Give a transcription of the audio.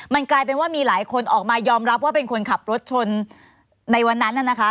มันกลายเป็นว่ามีหลายคนออกมายอมรับว่าเป็นคนขับรถชนในวันนั้นนะคะ